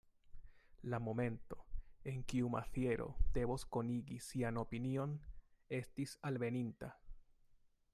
La momento, en kiu Maziero devos konigi sian opinion, estis alveninta.